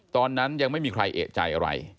ตอนนั้นยังไม่มีใครเอกใจอะไร